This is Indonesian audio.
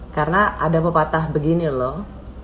karena ada pepatah begini loh